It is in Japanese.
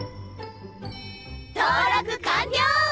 登録完了！